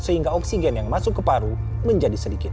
sehingga oksigen yang masuk ke paru menjadi sedikit